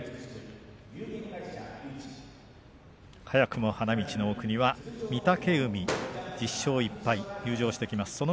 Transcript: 早くも花道の奥には御嶽海１０勝１敗が入場してきます。